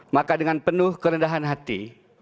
maka dengan penuh kerendahan hati